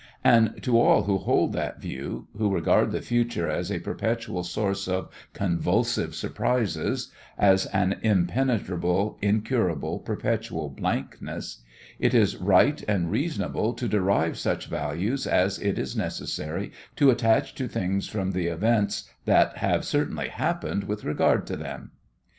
And to all who hold that view, who regard the future as a perpetual source of convulsive surprises, as an impenetrable, incurable, perpetual blankness, it is right and reasonable to derive such values as it is necessary to attach to things from the events that have certainly happened with regard to them.